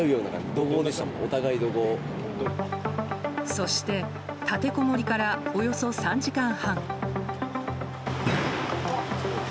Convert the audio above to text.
そして、立てこもりからおよそ３時間半。